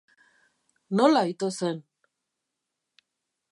Nola ito zen?